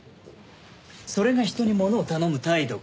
それが人にものを頼む態度か？